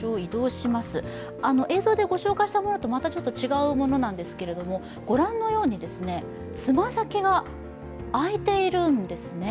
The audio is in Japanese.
映像でご紹介したものとまたちょっと違うものなんですけれども、ご覧のように、爪先が開いているんですね。